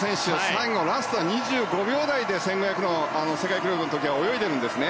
最後ラストは２５秒台で１５００ｍの世界記録の時は泳いでいるんですね。